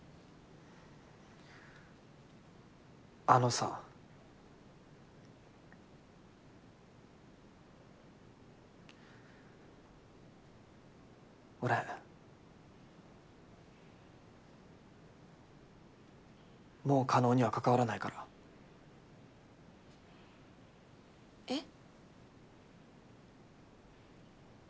あのさ俺もう叶には関わらないからえっ？